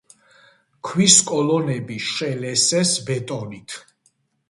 ქვის კოლონები შელესეს ბეტონით.